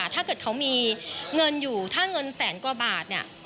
ถ้าเกิดเขามีเงินอยู่ถ้าเงินแสนกว่าบาทเนี่ย